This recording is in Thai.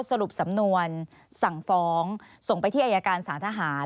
สรุปสำนวนสั่งฟ้องส่งไปที่อายการสารทหาร